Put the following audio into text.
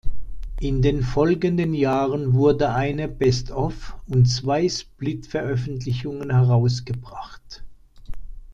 In den folgenden Jahren wurde eine Best-Of- und zwei Split-Veröffentlichungen herausgebracht.